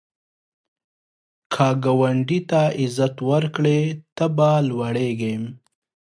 که ګاونډي ته عزت ورکړې، ته به لوړیږې